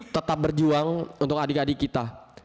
tetap berjuang untuk adik adik kita